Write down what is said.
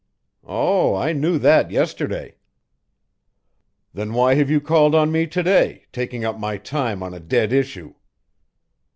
"Oh, I knew that yesterday." "Then why have you called on me to day, taking up my time on a dead issue?"